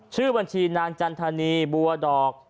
ชื่อบัญชีนางจันทนีบัวดอก